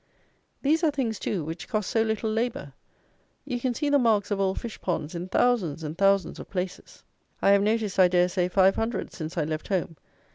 These are things, too, which cost so little labour! You can see the marks of old fish ponds in thousands and thousands of places. I have noticed, I dare say, five hundred, since I left home.